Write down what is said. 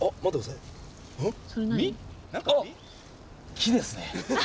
木ですね。